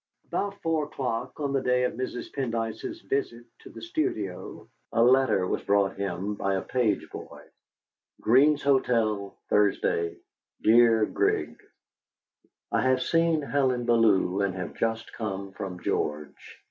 About four o'clock on the day of Mrs. Pendyce's visit to the studio a letter was brought him by a page boy. "GREEN'S HOTEL, "Thursday. "DEAR GRIG, "I have seen Helen Bellew, and have just come from George.